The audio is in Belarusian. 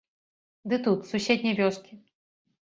Ды тут, з суседняй вёскі.